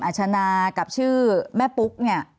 อัชนะกับชื่อแม่ปุ๊ก